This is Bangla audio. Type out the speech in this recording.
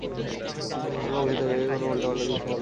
আমাকে তোমার পক্ষ থেকে উল্টোপাল্টা কিছু বলা উচিৎ হয় নি।